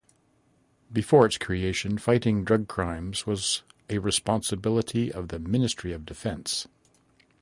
Before its creation, fighting drug crimes was a responsibility of the Ministry of Defense.